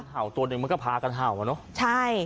เห่าตัวเด็กมันก็พากันเห่าเนอะ